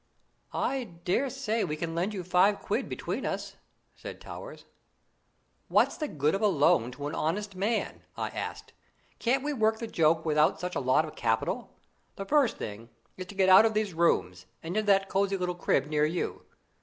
"I daresay we can lend you five quid between us," said Towers. "What's the good of a loan to an honest man?" I asked. "Can't we work the joke without such a lot of capital? The first thing is to get out of these rooms, and into that cosy little crib near you.